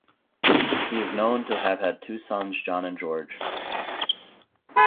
He is known to have had two sons John and George.